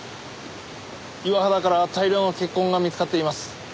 岩肌から大量の血痕が見つかっています。